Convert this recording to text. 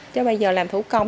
chứ bây giờ làm thủ công